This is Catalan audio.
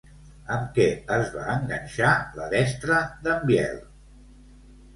Amb què es va enganxar la destra d'en Biel?